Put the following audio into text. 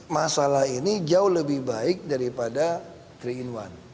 masalah ini jauh lebih baik daripada tiga in satu